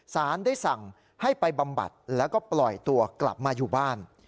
สารได้สั่งให้ไปบำบัดแล้วก็ปล่อยตัวกลับมาอยู่บ้าน